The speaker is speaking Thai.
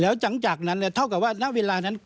แล้วหลังจากนั้นเท่ากับว่าณเวลานั้น